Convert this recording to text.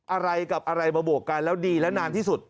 อะไรกับอะไรมาบวกกันแล้วดีและนานที่สุด